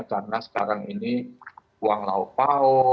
karena sekarang ini uang laupau